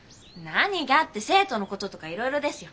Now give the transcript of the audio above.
何がって生徒のこととかいろいろですよ。